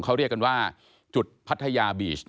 เขาเรียกกันว่าจุดพัทยาบีช